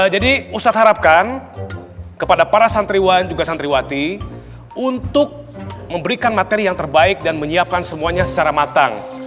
jadi ustadz harapkan kepada para santriwan dan juga santriwati untuk memberikan materi yang terbaik dan menyiapkan semuanya secara matang